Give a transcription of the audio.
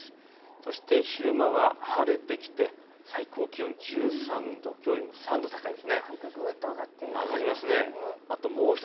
そして昼間は晴れてきて最高気温１３度きょうよりも３度高いです。